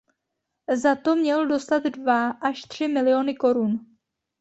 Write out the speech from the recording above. Za to měl dostat dva až tři miliony korun.